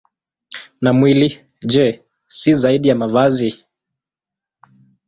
Na mwili, je, si zaidi ya mavazi?